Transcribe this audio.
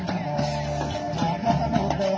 สวัสดีครับทุกคน